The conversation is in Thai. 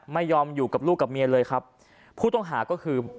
ไม่ยอมอยู่กับลูกกับเมียเลยครับผู้ต้องหาก็คือ